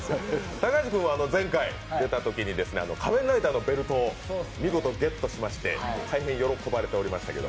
高橋君は前回出たときに出たときに「仮面ライダー」のベルトをゲットしまして大変喜ばれていましたけど。